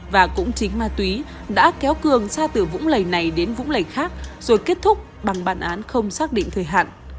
và cũng chính ma túy đã kéo cường ra từ vũng lầy này đến vũng lầy khác rồi kết thúc bằng bản án không xác định thời hạn